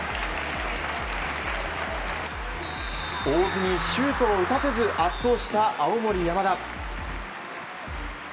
大津にシュートを打たせず圧倒した青森山田。